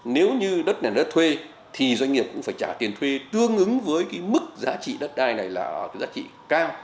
nếu như đất này là đất thuê thì doanh nghiệp cũng phải trả tiền thuê tương ứng với cái mức giá trị đất đai này là giá trị cao